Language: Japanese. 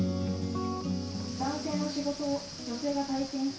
男性の仕事を女性が体験する。